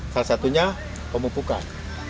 salah satunya pemupukan